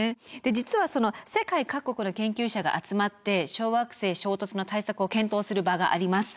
実は世界各国の研究者が集まって小惑星衝突の対策を検討する場があります。